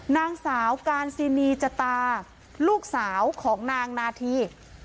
นางสาวการซินีจตาลูกสาวของนางนาธี